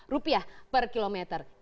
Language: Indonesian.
rupiah per kilometernya